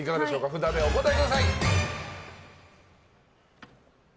札でお答えください！△。